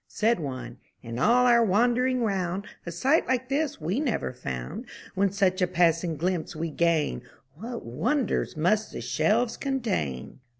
Said one, ''In all our wandering 'round, A sight like this we never found. When such a passing glimpse we gain, What wonders must the shelves contain!"